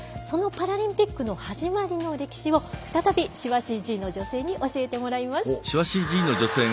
そのパラリンピックの始まりの歴史を再び手話ＣＧの女性に教えてもらいます。